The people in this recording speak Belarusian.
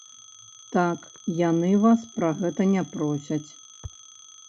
Так, яны вас пра гэта не просяць.